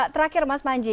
terakhir mas manji